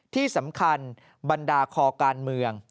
ที่สำคัญบรรดาคอการเมือง